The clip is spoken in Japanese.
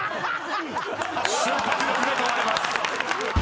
［瞬発力が問われます］